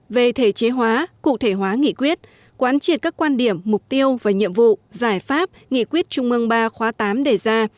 về thể chế hóa cụ thể hóa nghị quyết quán triệt các quan điểm mục tiêu và nhiệm vụ giải pháp nghị quyết trung ương ba khóa tám đề ra